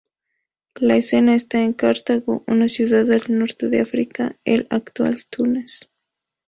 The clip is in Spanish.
La escena está en Cartago, una ciudad al norte de África, el actual Túnez.